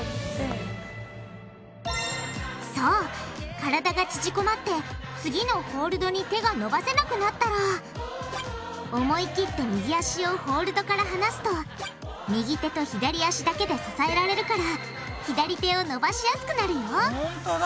体が縮こまって次のホールドに手が伸ばせなくなったら思いきって右足をホールドから離すと右手と左足だけで支えられるから左手を伸ばしやすくなるよほんとだ！